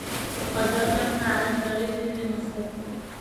قد ركبنا على البريد لمصر